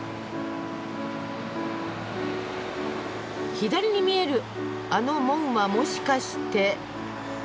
左に見えるあの門はもしかして。